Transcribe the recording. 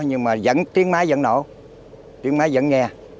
nhưng mà tiếng máy vẫn nổ tiếng máy vẫn nghe